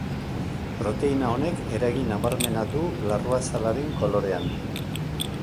Proteina honek eragin nabarmena du larruazalaren kolorean.